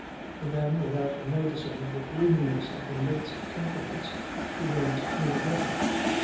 Then, without noticing the gloominess of the mate's countenance he went in again.